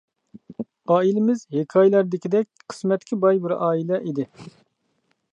ئائىلىمىز ھېكايىلەردىكىدەك قىسمەتكە باي بىر ئائىلە ئىدى.